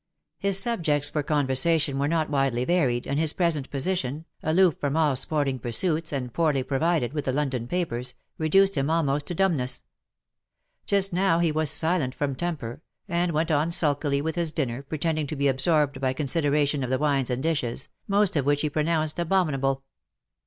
His subjects for conversation were not widely varied, and his present position, aloof from all sporlicg pursuits, and poorly provided with the London papers, reduced him almost to dumbness. Just now he was silent from temper, and went on sulkily with his dinner, pretending to be absorbed by consideration of the wines and dishes, most of which he pronounced abominable.